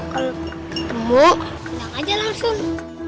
kalo ketemu nang aja langsung